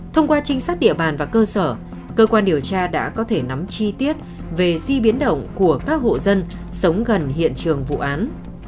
thông qua trinh sát địa bàn và cơ sở cơ quan điều tra đã có thể nắm chi tiết về di biến động của các hộ dân sống gần hiện trường vụ án